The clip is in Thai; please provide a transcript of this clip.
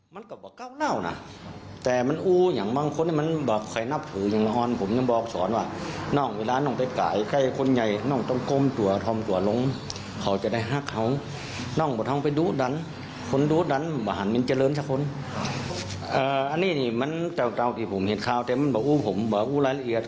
พี่เขาสอนว่านี่มันเป็นทางที่ผมเห็นขั้วเต็มเป็นแบบว่าผมเป็นบอปอลลปุลายละเอียด